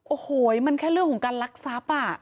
โอ้โหมันแค่เรื่องของการลักทรัพย์